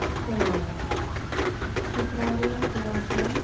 Sterile. Cetraria glauca, (L.)